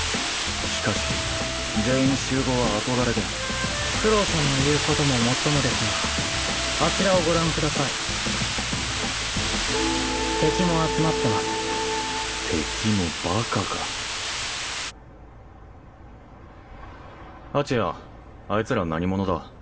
しかし全員集合は憧れで九郎さんの言うことももっともですがあちらをご覧ください敵も集まってます敵もバカか蜂谷あいつら何者だ？